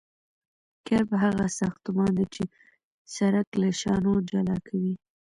کرب هغه ساختمان دی چې سرک له شانو جلا کوي